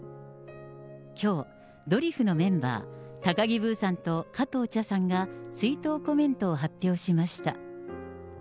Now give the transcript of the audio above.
きょう、ドリフのメンバー、高木ブーさんと加藤茶さんが追悼コメントを発表しました。